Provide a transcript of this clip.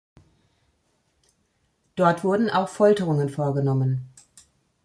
Dort wurden auch Folterungen vorgenommen.